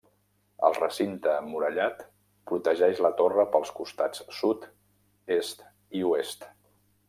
El recinte emmurallat protegeix la torre pels costats sud, est i oest.